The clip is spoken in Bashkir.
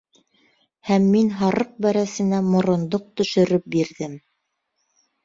Һәм мин һарыҡ бәрәсенә морондоҡ төшөрөп бирҙем.